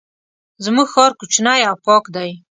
زمونږ ښار کوچنی او پاک دی.